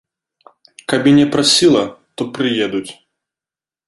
Каб і не прасіла, то прыедуць.